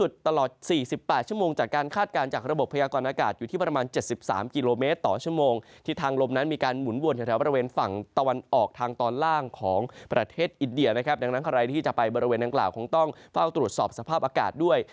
ดังนั้นใครที่จะไปบริเวณนางกล่าวคงต้องเฝ้าตรวจสอบสภาพอากาศด้วย